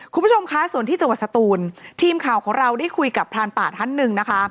คุณผู้ชมคะส่วนที่จังหวัดสตูนทีมข่าวของเราได้คุยกับพรานป่าท่านหนึ่งนะคะ